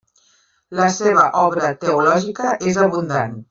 La seva obra teològica és abundant.